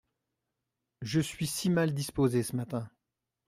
Je suis si mal disposée ce matin !